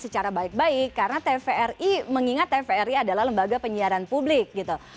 karena baik baik karena tvri mengingat tvri adalah lembaga penyiaran publik gitu